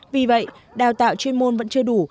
vì vậy đào tạo chuyên môn vẫn chưa đủ